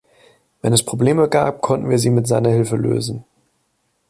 Wenn es Probleme gab, konnten wir sie mit seiner Hilfe lösen.